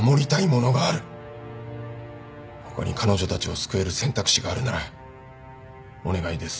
他に彼女たちを救える選択肢があるならお願いです。